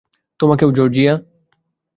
তোমাকেও, জর্জিয়া।